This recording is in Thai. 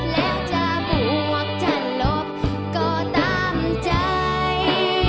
แล้วจะบวกจะลบก็ตามใจ